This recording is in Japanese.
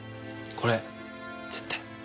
これ絶対。